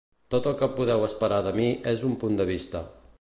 Tot el que podeu esperar de mi és un punt de vista.